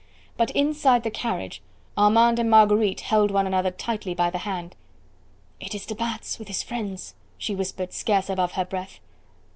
But inside the carriage Armand and Marguerite held one another tightly by the hand. "It is de Batz with his friends," she whispered scarce above her breath.